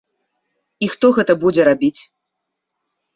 І хто гэта будзе рабіць?